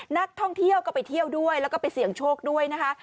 นักท่องเที่ยวก็ไปเที่ยวด้วยแล้วก็ไปเสี่ยงโชคด้วยนะคะ